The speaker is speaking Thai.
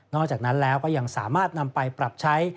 จากนั้นแล้วก็ยังสามารถนำไปปรับใช้